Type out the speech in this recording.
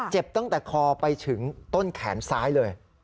เจ็บตั้งแต่คอไปถึงต้นแขนซ้ายเลย